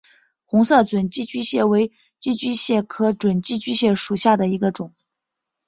红色准寄居蟹为寄居蟹科准寄居蟹属下的一个种。